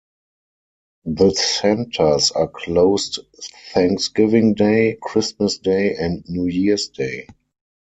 The centers are closed Thanksgiving Day, Christmas Day, and New Years Day.